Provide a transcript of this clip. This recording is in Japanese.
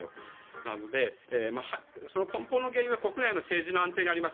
なので、その根本の原因は国内の政治の安定にあります。